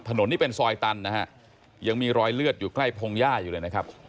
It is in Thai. ถนนนี่เป็นซอยตันนะฮะยังมีรอยเลือดอยู่ใกล้พงหญ้าอยู่เลยนะครับ